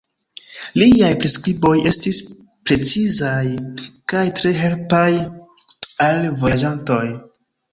Liaj priskriboj estis precizaj kaj tre helpaj al vojaĝantoj.